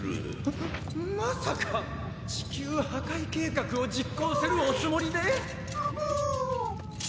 まさかチキュー破壊計画を実行するおつもりで？